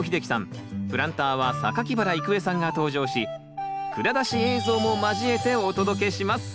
プランターは原郁恵さんが登場し蔵出し映像も交えてお届けします。